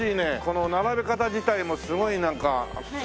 この並べ方自体もすごいなんかそそるね。